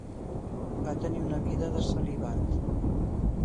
Va tenir una vida de celibat.